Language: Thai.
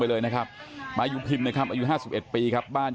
ติดเตียงได้ยินเสียงลูกสาวต้องโทรศัพท์ไปหาคนมาช่วย